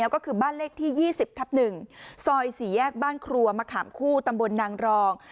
ก็คือบ้านเลขที่๒๐ทับ๑ซอย๔แยกบ้านครัวมะขามคู่ตำบลนางรอง